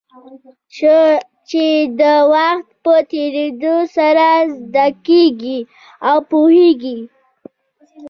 چې د وخت په تېرېدو سره زده کېږي او پوهېږې.